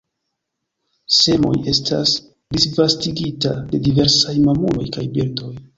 Semoj estas disvastigita de diversaj mamuloj kaj birdoj.